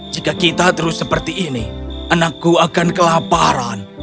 jika kita terus seperti ini anakku akan kelaparan